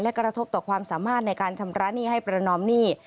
กระทบต่อความสามารถในการชำระหนี้ให้ประนอมหนี้